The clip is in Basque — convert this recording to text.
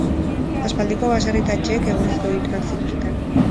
Aspaldiko baserri eta etxeek egurrezko egiturak zituzten.